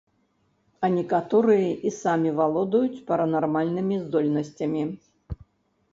А некаторыя і самі валодаюць паранармальнымі здольнасцямі.